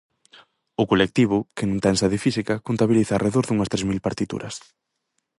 O colectivo, que non ten sede física, contabiliza arredor dunhas tres mil partituras.